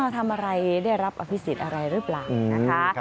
ทำอะไรได้รับอภิสิทธิ์อะไรหรือเปล่า